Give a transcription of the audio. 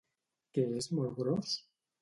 Què és molt gros?